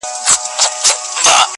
کله کله یې سکوت هم مسؤلیت دی ،